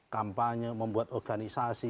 kampanye membuat organisasi